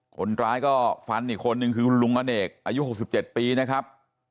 คนร้ายก็ฟันอีกคนนึงคือคุณลุงอเนกอายุ๖๗ปีนะครับ